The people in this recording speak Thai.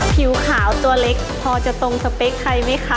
ผิวขาวตัวเล็กพอจะตรงสเปคใครไหมคะ